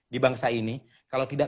di bangsa ini kalau tidak